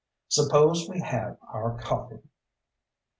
'Spose we have our coffee."